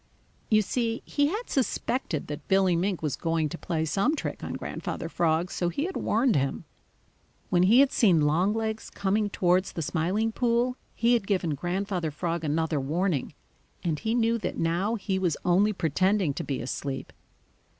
You see, he had suspected that Billy Mink was going to play some trick on Grandfather Frog, so he had warned him. When he had seen Longlegs coming towards the Smiling Pool, he had given Grandfather Frog another warning, and he knew that now he was only pretending to be asleep.